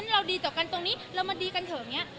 เราดีต่อกันตรงนี้เรามาดีกันเถอะ